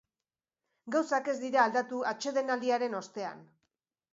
Gauzak ez dira aldatu atsedenaldiaren ostean.